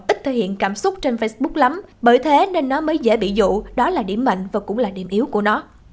ít thể hiện cảm xúc trên facebook lắm bởi thế nên nó mới dễ bị dụ đó là điểm mạnh và cũng là điểm yếu của nó